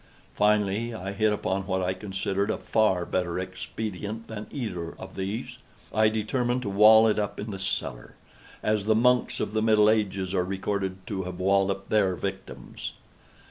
Finally I hit upon what I considered a far better expedient than either of these. I determined to wall it up in the cellar—as the monks of the middle ages are recorded to have walled up their victims.